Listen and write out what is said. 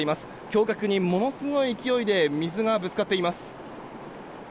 橋脚にものすごい勢いで水がぶつかっています。